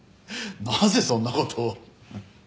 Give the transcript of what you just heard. なぜそんなことを。